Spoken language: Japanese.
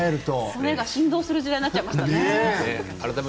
骨が振動をする時代になっちゃいましたね。